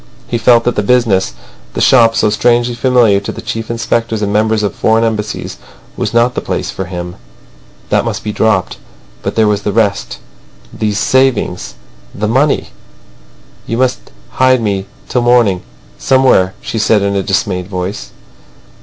He felt that the business, the shop so strangely familiar to chief inspectors and members of foreign Embassies, was not the place for him. That must be dropped. But there was the rest. These savings. The money! "You must hide me till the morning somewhere," she said in a dismayed voice.